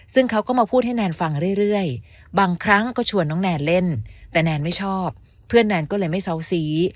ซึ่งเขาก็มาพูดให้แนนฟังเรื่อยบางครั้งก็ชวนน้องแนนเล่นแต่แนนไม่ชอบเพื่อนแนนก็เลยไม่เซาซี